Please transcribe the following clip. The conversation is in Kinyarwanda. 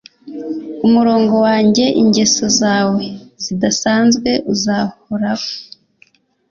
umurongo wanjye ingeso zawe zidasanzwe uzahoraho